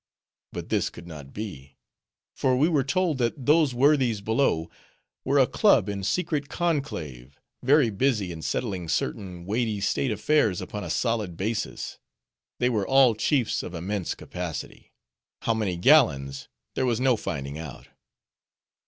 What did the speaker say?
But this could not be; for we were told that those worthies below, were a club in secret conclave; very busy in settling certain weighty state affairs upon a solid basis, They were all chiefs of immense capacity:—how many gallons, there was no finding out.